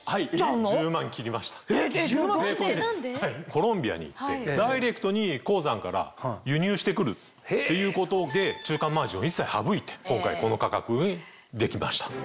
コロンビアに行ってダイレクトに鉱山から輸入して来るっていうことで中間マージンを一切省いて今回この価格にできました。